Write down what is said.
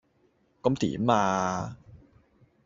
咁點呀?